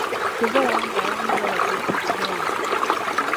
Ky'ova olaba ng'abamu embwa bagiyita Ngwa.